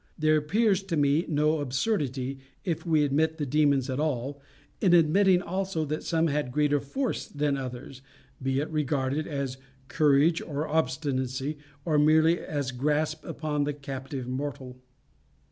There appears to me no absurdity, if we admit the demons at all, in admitting also that some had greater force than others, be it regarded as courage or obstinacy, or merely as grasp upon the captive mortal.